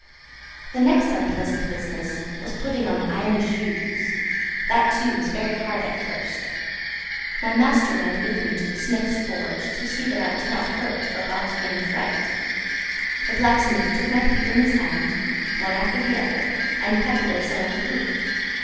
The next unpleasant business was putting on the iron shoes; that too was very hard at first. My master went with me to the smith's forge, to see that I was not hurt or got any fright. The blacksmith took my feet in his hand, one after the other, and cut away some of the hoof.